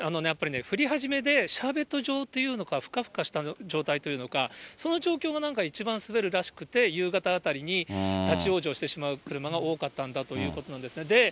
やっぱり降り始めでシャーベット状というのか、ふかふかした状態というのか、その状況がなんか一番滑るらしくて、夕方あたりに立往生してしまう車が多かったんだということなんですね。